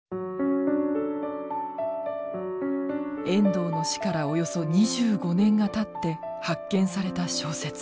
遠藤の死からおよそ２５年がたって発見された小説。